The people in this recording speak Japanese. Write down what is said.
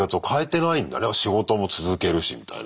仕事も続けるしみたいな。